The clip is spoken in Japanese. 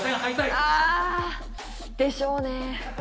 あー、でしょうね。